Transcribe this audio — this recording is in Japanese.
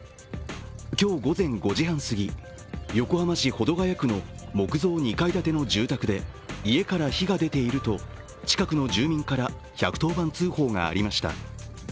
今日午前５時半すぎ、横浜市保土ケ谷区の木造２階建ての住宅で家から火が出ていると近くの住民から１１０番通報がありました。